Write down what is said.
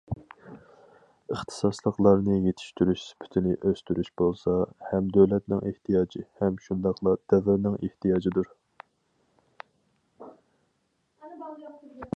ئىختىساسلىقلارنى يېتىشتۈرۈش سۈپىتىنى ئۆستۈرۈش بولسا، ھەم دۆلەتنىڭ ئېھتىياجى، ھەم شۇنداقلا دەۋرنىڭ ئېھتىياجىدۇر.